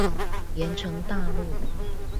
鹽埕大路